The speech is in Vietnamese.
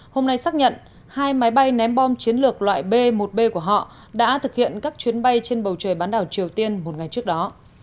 hôm nay xác nhận hai máy bay ném bom chiến lược loại b một b của họ đã thực hiện các chuyến bay trên bầu trời bán đảo triều tiên một ngày trước đó